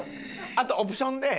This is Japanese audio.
あとオプションで。